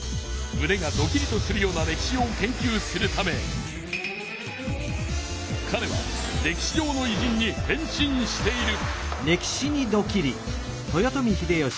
むねがドキリとするような歴史を研究するためかれは歴史上のいじんに変身している。